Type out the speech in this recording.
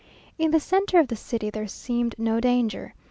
In the centre of the city there seemed no danger.